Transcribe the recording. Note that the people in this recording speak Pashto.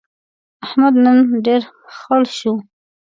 احمد نن ډېر خړ شو.